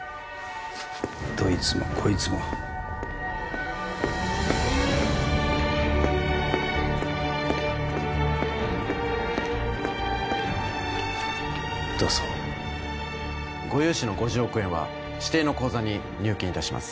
どいつもこいつもどうぞご融資の５０億円は指定の口座に入金いたします